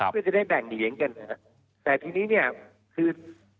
เพื่อจะได้แบ่งเหนียงกันนะฮะแต่ทีนี้เนี่ยคือ